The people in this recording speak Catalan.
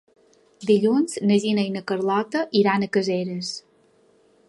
Dilluns na Gina i na Carlota iran a Caseres.